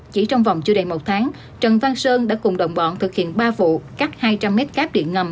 chỉ trong vòng chưa đầy một tháng trần văn sơn đã cùng đồng bọn thực hiện ba vụ cắt hai trăm linh m cáp điện ngầm